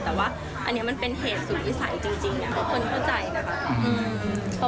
แต่ว่าอันนี้มันเป็นเหตุสุดวิสัยจริงทุกคนเข้าใจนะคะ